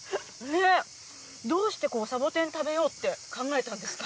どうしてサボテン食べようって考えたんですか。